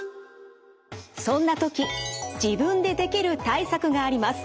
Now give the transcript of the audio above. そんな時自分でできる対策があります。